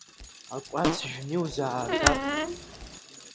Акәац жәны иузааргап!